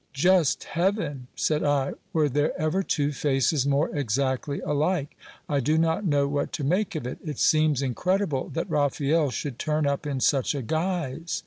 Just heaven ! said I, were there ever two faces more exactly alike ? I do not know what to make of it ! It seems incredible that Raphael should turn up in such a guise